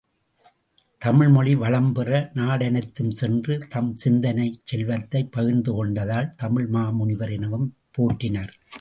தமிழ்மொழி வளம்பெற நாடனைத்தும் சென்று, தம் சிந்தனைச் செல்வத்தைப் பகிர்ந்து கொண்டதால் தமிழ் மாமுனிவர் எனவும் போற்றினர்.